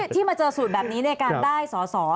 ที่มาเจอสูตรแบบนี้ในการได้สอสอ